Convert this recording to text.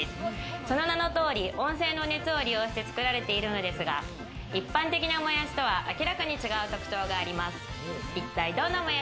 その名の通り、温泉の熱を利用して作られているのですが、一般的なもやしとは明らかに違う特徴があります。